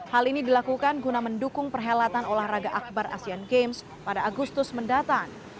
hal ini dilakukan guna mendukung perhelatan olahraga akbar asian games pada agustus mendatang